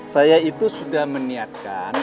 saya itu sudah meniatkan